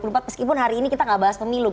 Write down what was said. meskipun hari ini kita tidak bahas pemilu